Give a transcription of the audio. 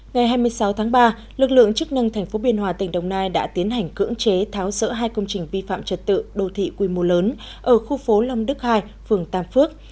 ngày hai mươi sáu tháng ba lực lượng chức năng tp biên hòa tỉnh đồng nai đã tiến hành cưỡng chế tháo rỡ hai công trình vi phạm trật tự đô thị quy mô lớn ở khu phố long đức hai phường tam phước